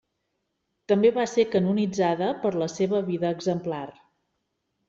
També va ser canonitzada, per la seva vida exemplar.